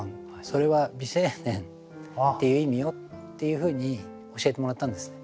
それは「美青年」っていう意味よっていうふうに教えてもらったんですね。